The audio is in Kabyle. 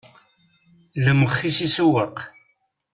Lmex-is isewweq.